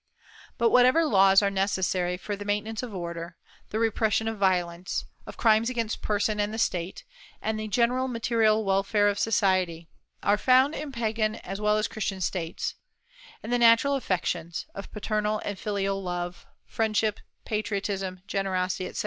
But whatever laws are necessary for the maintenance of order, the repression of violence, of crimes against person and the State and the general material welfare of society, are found in Pagan as well as in Christian States; and the natural affections, of paternal and filial love, friendship, patriotism, generosity, etc.